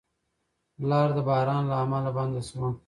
لار د باران له امله بنده شوه.